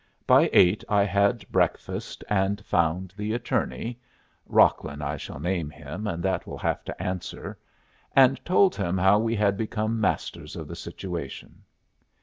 By eight I had breakfast, and found the attorney Rocklin I shall name him, and that will have to answer and told him how we had become masters of the situation.